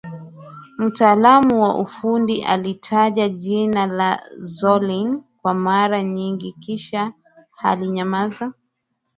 Mtaalamu wa ufundi alitaja jina la Zolin kwa mara nyingine kisha alinyamaza